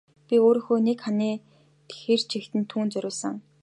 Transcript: Би өрөөнийхөө нэг ханыг тэр чигт нь түүнд зориулсан.